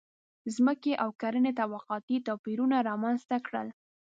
• ځمکې او کرنې طبقاتي توپیرونه رامنځته کړل.